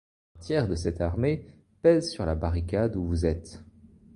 Un tiers de cette armée pèse sur la barricade où vous êtes.